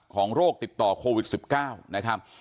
โรคติดต่อโควิด๑๙นะครับ